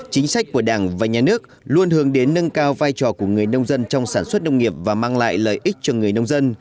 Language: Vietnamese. chính sách của đảng và nhà nước luôn hướng đến nâng cao vai trò của người nông dân trong sản xuất nông nghiệp và mang lại lợi ích cho người nông dân